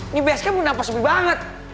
ini basecamp udah nampak sepi banget